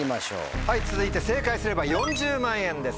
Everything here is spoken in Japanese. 続いて正解すれば４０万円です